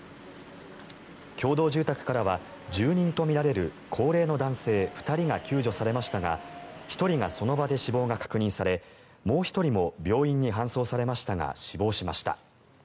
共同住宅からは住人とみられる高齢の男性２人が救助されましたが１人がその場で死亡が確認されもう１人も病院に搬送されましたが死亡しました。